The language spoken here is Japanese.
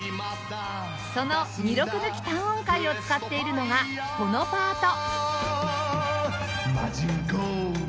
その２・６抜き短音階を使っているのがこのパート